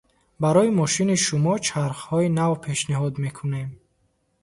Барои мошини шумо чархҳои нав пешниҳод мекунем.